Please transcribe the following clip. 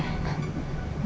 mau tolongin jess nggak